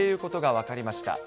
分かりました。